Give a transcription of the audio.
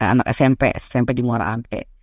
anak smp smp di muara angke